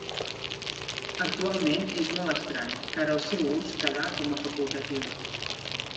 Actualment és molt estrany, car el seu ús quedà com a facultatiu.